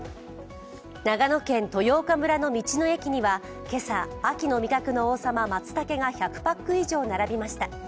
長野県豊丘村の道の駅には今朝、秋の味覚の王様、まつたけが１００パック以上、並びました。